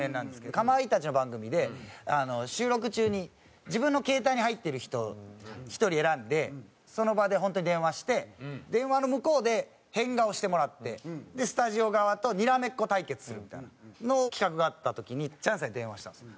かまいたちの番組で収録中に自分の携帯に入ってる人１人選んでその場で本当に電話して電話の向こうで変顔してもらってスタジオ側とにらめっこ対決するみたいな企画があった時にチャンスさんに電話したんですよ。